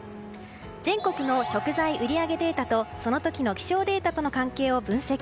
全国の食材売り上げデータとその時の気象データとの関連を分析。